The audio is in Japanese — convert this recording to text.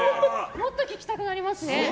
もっと聞きたくなりますね。